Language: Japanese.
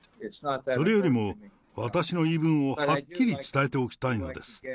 それよりも、私の言い分をはっきり伝えておきたいのです。